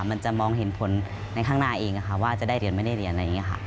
มันจะมองเห็นผลในข้างหน้าเองว่าจะได้เรียนหรือไม่ได้เรียน